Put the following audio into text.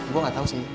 gue gak tau sih